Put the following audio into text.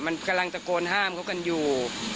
มันกำลังตะโกนห้ามเขากันอยู่